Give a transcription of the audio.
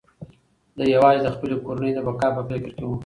دی یوازې د خپلې کورنۍ د بقا په فکر کې و.